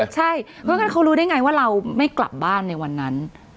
ใช่เพราะงั้นเขารู้ได้ไงว่าเราไม่กลับบ้านในวันนั้น